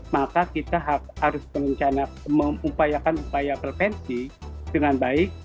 maka kita harus mengupayakan upaya prevensi dengan baik